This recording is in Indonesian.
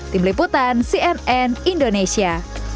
tim liputan cnn indonesia